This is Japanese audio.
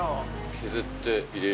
削って入れる。